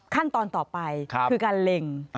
ขั้นตอนต่อไปคือการเล็ง